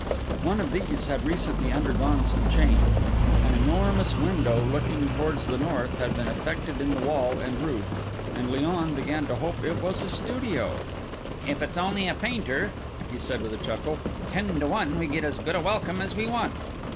One of these had recently undergone some change. An enormous window, looking towards the north, had been effected in the wall and roof, and Léon began to hope it was a studio. "If it's only a painter," he said with a chuckle, "ten to one we get as good a welcome as we want."